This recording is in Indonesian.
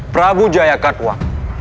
prabu jaya katuak